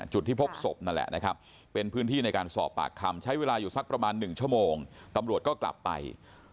จุดที่พบศพนั่นแหละนะครับเป็นพื้นที่ในการสอบปากคำใช้เวลาอยู่สักประมาณ๑ชั่วโมงตำรวจก็กลับไป